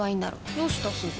どうしたすず？